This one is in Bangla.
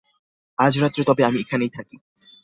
আজ রাত্রে তবে আমি এখানেই থাকি।